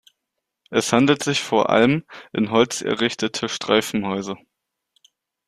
Es handelt sich vor allem in Holz errichtete Streifenhäuser.